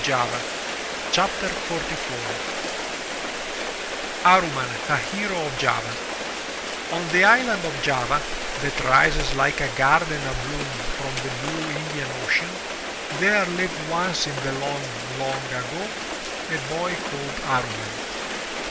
196 THROUGH FAIRY HALLS ARUMAN, A HERO OF JAVA On the island of Java, that rises like a garden a bloom from the blue Indian Ocean, there lived once in the long, long ago, a boy called Amman.